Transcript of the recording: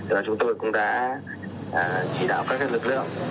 và chúng tôi cũng đã chỉ đạo các lực lượng